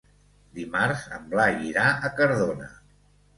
Dimarts en Blai irà a Cardona.